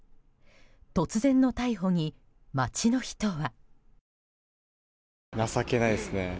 突然の逮捕に街の人は。